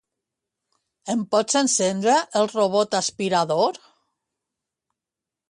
Em pots encendre el robot aspirador?